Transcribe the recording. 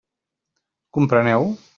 Compreneu?